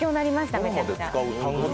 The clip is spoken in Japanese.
めちゃくちゃ。